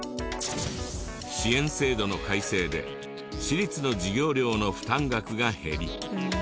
支援制度の改正で私立の授業料の負担額が減り。